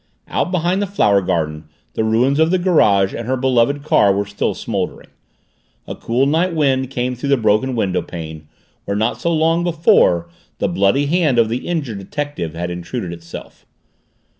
Out behind the flower garden the ruins of the garage and her beloved car were still smoldering; a cool night wind came through the broken windowpane where not so long before the bloody hand of the injured detective had intruded itself.